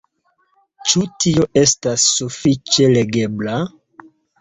Ĉu tio estas sufiĉe legebla?